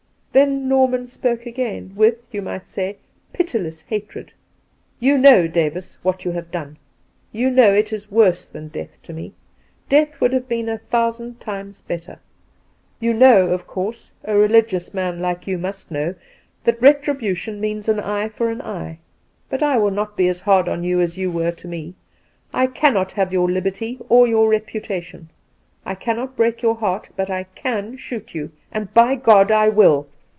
Then Norman spoke again, with, you might say, pitiless hatred. " You know, Davis, what you have done ! You know it is worse than death to me. Death would have been a thousand times better. You know — of course, a religious man like you must know^ that retribution means an eye for an eye ; but I will not be as hard on you as you were to me. I cannot have your liberty, or your reputation. I cannot break your heart; but I can shoot you, and, by God, I will!